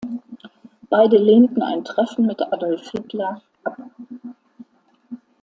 Beide lehnten ein Treffen mit Adolf Hitler ab.